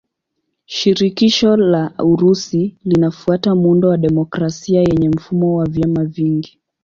Shirikisho la Urusi linafuata muundo wa demokrasia yenye mfumo wa vyama vingi.